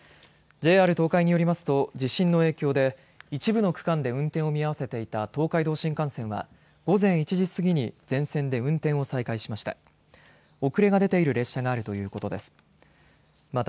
ＪＲ東海によりますと地震の影響で一部の区間で運転を見合わせていた東海道新幹線は午前１時過ぎに全線で運転を再開しました。